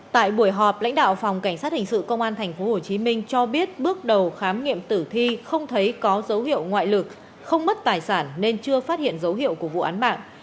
tại buổi họp lãnh đạo phòng cảnh sát hình sự công an tp hcm cho biết bước đầu khám nghiệm tử thi không thấy có dấu hiệu ngoại lực không mất tài sản nên chưa phát hiện dấu hiệu của vụ án mạng